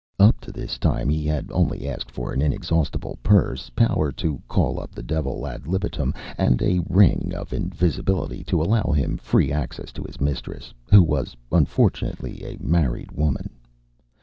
Up to this time he had only asked for an inexhaustible purse, power to call up the Devil ad libitum, and a ring of invisibility to allow him free access to his mistress, who was unfortunately a married woman.